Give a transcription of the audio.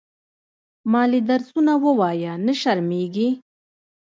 مالې درسونه ووايه نه شرمېږې.